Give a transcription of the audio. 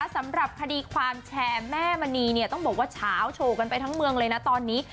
สำหรับคดีความแชร์แม่มณีเนี่ยต้องบอกว่าเฉาโชว์กันไปทั้งเมืองเลยนะตอนนี้